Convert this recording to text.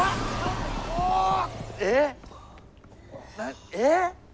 えっ？えっ？